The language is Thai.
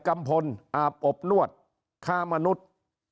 กำพลอาบอบนวดค้ามนุษย์